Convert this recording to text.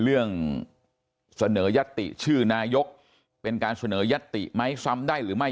เรื่องเสนอยัตติชื่อนายกเป็นการเสนอยัตติไหมซ้ำได้หรือไม่